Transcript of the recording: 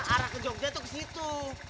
arah ke jogja itu ke situ